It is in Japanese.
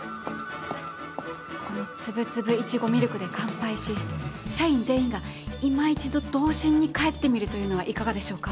このつぶつぶいちごミルクで乾杯し社員全員がいま一度童心に返ってみるというのはいかがでしょうか。